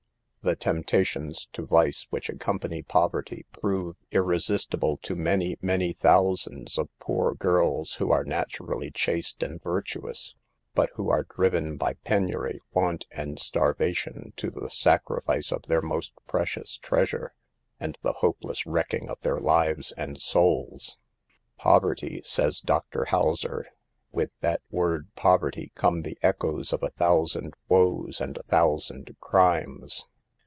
The temptations to vice, which accompany poverty, prove irresistible to many, many thou sands of poor girls who are naturally chaste and virtuous, but who are driven by penury, THE PEBILS OF POVERTY. 137 want and starvation, to the sacrifice of their most priceless treasure, and the hopeless wrecking of their lives and souls, " Poverty," says Dr. Houser ;" with that word ' poverty ' come the echoes of a thou sand woes and a thousand crimes.